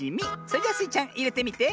それじゃスイちゃんいれてみて。